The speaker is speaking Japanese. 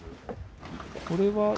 これは？